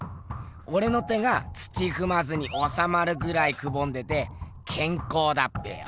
おれの手が土ふまずにおさまるぐらいくぼんでてけんこうだっぺよ！